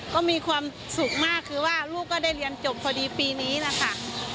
ก็มีความสุขมากคือว่าลูกก็ได้เรียนจบพอดีปีนี้นะคะ